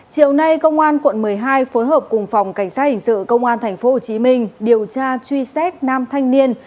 chiều nay công an quận một mươi hai phối hợp cùng phòng cảnh sát hình sự công an tp hcm điều tra truy xét nam thanh niên